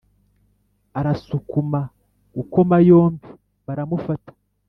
Arasukuma gukoma yombi baramufata